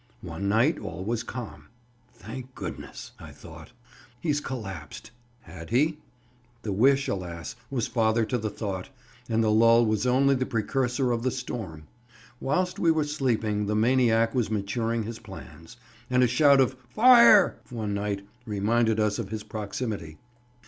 One night all was calm. "Thank goodness!" I thought, "he's collapsed." Had he? The wish, alas! was father to the thought, and the lull was only the precursor of the storm. Whilst we were sleeping the maniac was maturing his plans, and a shout of "Fire!" one night reminded us of his proximity.